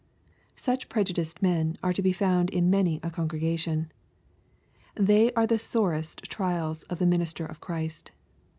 — Such prejudiced men are to be found in many a congregation. They are the sorest trials of the ministers of Christ.